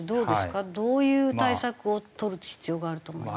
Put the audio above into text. どういう対策を取る必要があると思いますか？